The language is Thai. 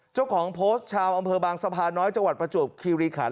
เจ้าของโพสต์ชาวอำเภอบางสะพานน้อยจังหวัดประจวบคิริขัน